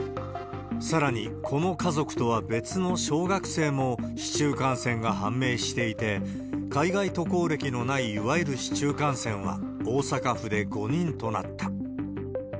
さらに、この家族とは別の小学生も市中感染が判明していて、海外渡航歴のないいわゆる市中感染は大阪府で５人となった。